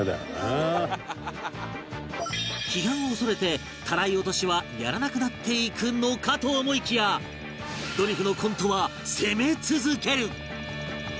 批判を恐れてタライ落としはやらなくなっていくのかと思いきやドリフのコントは攻め続ける！